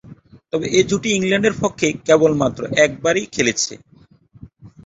তবে এ জুটি ইংল্যান্ডের পক্ষে কেবলমাত্র একবারই খেলেছেন।